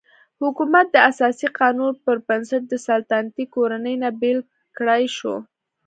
حکومت د اساسي قانون پر بنسټ له سلطنتي کورنۍ نه بېل کړای شو.